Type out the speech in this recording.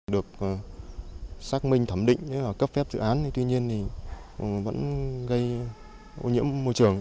được xác minh thẩm định cấp phép dự án tuy nhiên vẫn gây ô nhiễm môi trường